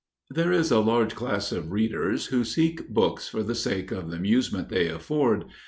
There is a large class of readers who seek books for the sake of the amusement they afford.